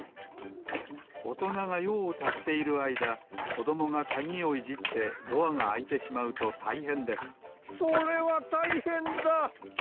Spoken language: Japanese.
おとながようをたしているあいだこどもがかぎをいじってドアがあいてしまうとたいへんですそれはたいへんだ！